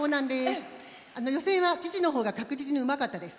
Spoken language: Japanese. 予選は父のほうが確実にうまかったです。